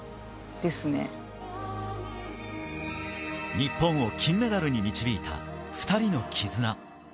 日本を金メダルに導いた２人の絆。